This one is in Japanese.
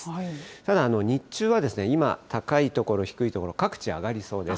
ただ、日中は今、高い所、低い所、各地上がりそうです。